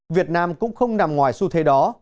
việt nam cũng không nằm ngoài xu thế đó